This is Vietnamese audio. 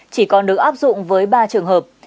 chỉ còn được áp dụng với ba trường hợp